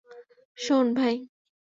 শোন, ভাই।